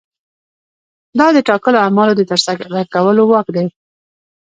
دا د ټاکلو اعمالو د ترسره کولو واک دی.